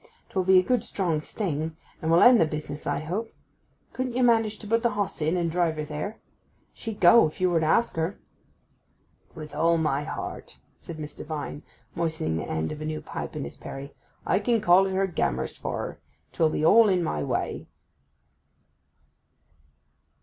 'Twill be a good strong sting, and will end the business, I hope. Couldn't you manage to put the hoss in and drive her there? She'd go if you were to ask her.' 'With all my heart,' said Mr. Vine, moistening the end of a new pipe in his perry. 'I can call at her grammer's for her—'twill be all in my way.